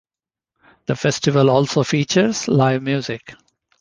The festival also features live music.